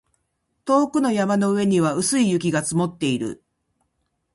遠くの山の上には薄い雪が積もっている